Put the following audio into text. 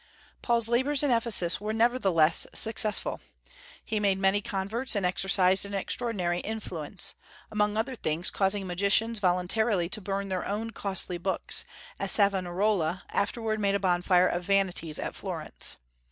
Paul's labors in Ephesus were nevertheless successful. He made many converts and exercised an extraordinary influence, among other things causing magicians voluntarily to burn their own costly books, as Savonarola afterward made a bonfire of vanities at Florence.